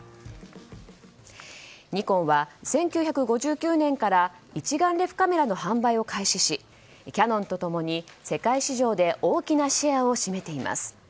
ニコンは１９５９年から一眼レフカメラの販売を開始し、キヤノンと共に世界市場で大きなシェアを占めています。